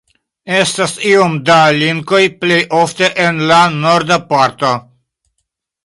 Estas iom da linkoj, plejofte en la norda parto.